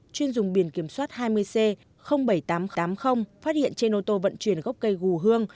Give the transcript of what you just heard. chuyên dùng biển kiểm soát hai mươi c bảy nghìn tám trăm tám mươi phát hiện trên ô tô vận chuyển gốc cây gù hương